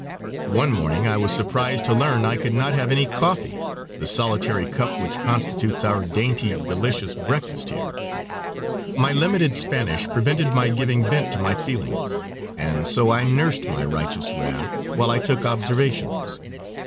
One morning I was surprised to learn I could not have any coffee the solitary cup which constitutes our dainty, delicious breakfast here. My limited Spanish prevented my giving vent to my feelings, and so I nursed my righteous wrath while I took observations.